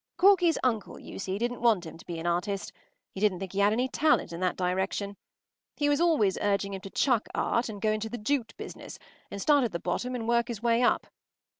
Corky’s uncle, you see, didn’t want him to be an artist. He didn’t think he had any talent in that direction. He was always urging him to chuck Art and go into the jute business and start at the bottom and work his way up.